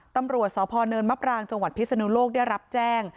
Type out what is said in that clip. ตามรัวสพเนิร์น้ำลับร้างจังหวัดพิษณุโลกยรับแจ้ง